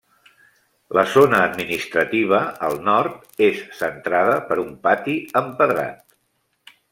La zona administrativa, al nord, és centrada per un pati empedrat.